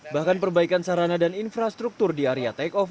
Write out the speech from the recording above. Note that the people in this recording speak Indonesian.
bahkan perbaikan sarana dan infrastruktur di area take off